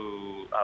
sehingga pada saat